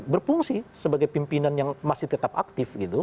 berfungsi sebagai pimpinan yang masih tetap aktif gitu